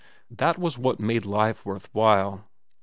That was what made life worth while.